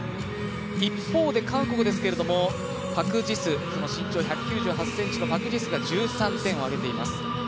一方で韓国ですけれども身長１９８ｃｍのパク・ジスが１３点を挙げています。